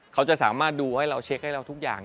เขาจะสามารถดูให้เราเช็คให้เราทุกอย่าง